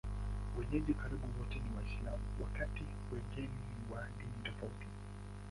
Wenyeji karibu wote ni Waislamu, wakati wageni ni wa dini tofautitofauti.